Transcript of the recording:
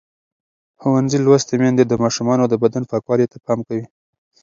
ښوونځې لوستې میندې د ماشومانو د بدن پاکوالي ته پام کوي.